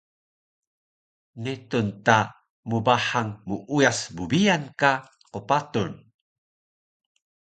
netun ta mbahang muuyas bbiyan ka qpatun